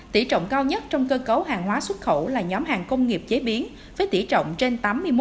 tỷ trọng cao nhất trong cơ cấu hàng hóa xuất khẩu là nhóm hàng công nghiệp chế biến với tỷ trọng trên tám mươi một